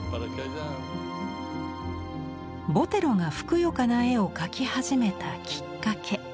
ボテロがふくよかな絵を描き始めたきっかけ